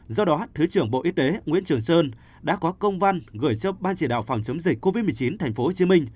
do đó thứ trưởng bộ y tế nguyễn trường sơn đã có công văn gửi cho ban chỉ đạo phòng chống dịch covid một mươi chín tp hcm